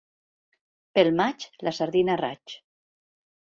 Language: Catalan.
Pel maig, la sardina a raig.